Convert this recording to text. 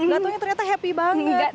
gak tau yang ternyata happy banget